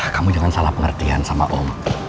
kamu jangan salah pengertian sama om